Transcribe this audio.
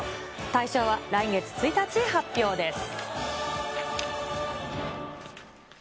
大賞は来月１日発表です。